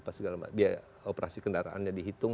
biaya operasi kendaraannya dihitung